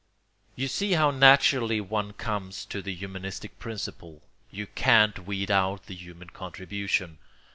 You see how naturally one comes to the humanistic principle: you can't weed out the human contribution.